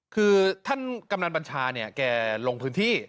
คือท่านกำนันบัญชาเนี่ยแกลงพื้นที่